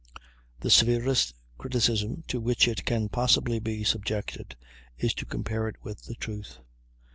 The severest criticism to which it can possibly be subjected is to compare it with the truth.